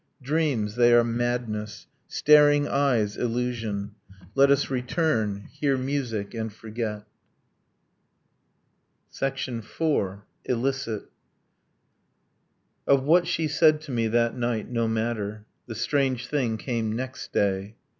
Dreams they are madness. Staring eyes illusion. Let us return, hear music, and forget ... IV. ILLICIT Of what she said to me that night no matter. The strange thing came next day.